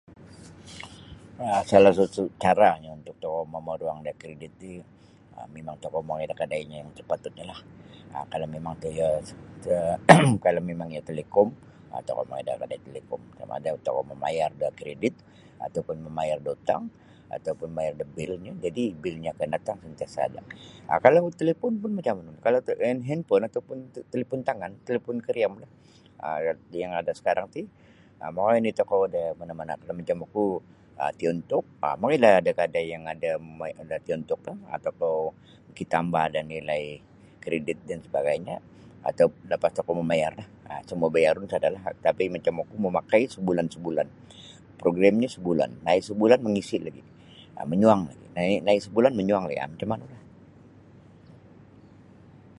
um Salah satu caranyo untuk tokou mamaruang da kredit ti mimang tokou mongoi da kadainyo yang sepatutnyolah kalau mimang to iyo talikom kalau iyo mimang talikom um tokou mongoi da kadai talikom sama ada tokou mamayar da kredit atau pun mamayar da utang atau pun mamayar da bilnyo jadi bilnyo akan datang sentiasa ada um kalau talipun pun macam hinpun atau pun talipon tangan talipon kariam yang ada sekarang ti mongoi oni tokou da mana-mana macam oku tune talk mongoilah da kadai yang ada tune talk tokou mikitambah da kredit dan sebagainyo lapas tokou mamayarlah cuma bayarun sadalah macam oku mamakai sabulan-sabulan progrimnyo sabulan mai' sabulan mangisi lagi manyuang lagi nai' sabulan manyuang lagi um macam manulah.